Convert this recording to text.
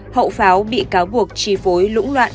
hậu pháo bị cáo buộc chi phối lũng loạn